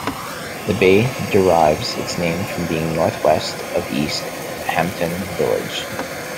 The bay derives its name from being northwest of East Hampton village.